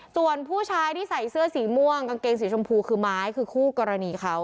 ส่วนผู้ชายที่ใส่เสื้อสีม่วงกางเกงสีชมพูคือไม้คือคู่กรณีเขา